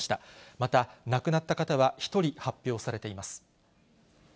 また、亡くなった方は１人発表されています。